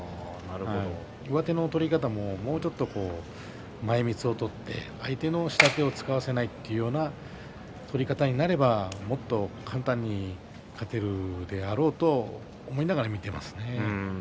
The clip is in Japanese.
上手の取り方も、もうちょっと前みつを取って相手の下手を使わせないというような取り方になればもっと簡単に勝てるであろうと思いながら見ています。